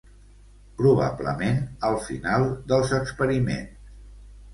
Probablement al final dels experiments.